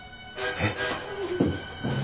えっ？